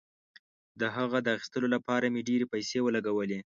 د هغه د اخیستلو لپاره مې ډیرې پیسې ولګولې.